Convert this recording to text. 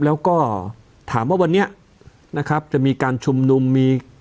แล้วก็ถามว่าวันนี้จะมีการชุมนุม